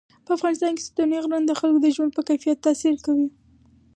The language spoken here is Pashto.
په افغانستان کې ستوني غرونه د خلکو د ژوند په کیفیت تاثیر کوي.